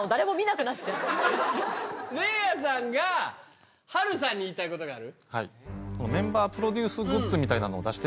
零夜さんが春さんに言いたいことがある。